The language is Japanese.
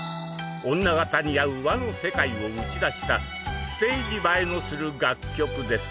女形に合う和の世界を打ち出したステージ映えのする楽曲です。